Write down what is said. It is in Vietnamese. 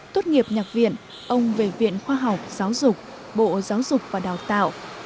tốt nghiệp nhạc viện ông về viện khoa học giáo dục bộ giáo dục và đào tạo